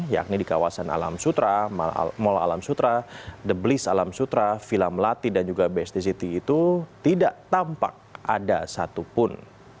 yakni di kawasan alam sutra mall alam sutra the blis alam sutra villa melati dan juga bstct itu tidak tampak ada satupun